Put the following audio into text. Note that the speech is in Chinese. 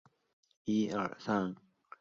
本鱼分布各大洋亚热带海域。